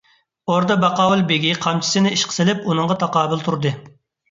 ئوردا باقاۋۇل بېگى قامچىسىنى ئىشقا سېلىپ ئۇنىڭغا تاقابىل تۇردى.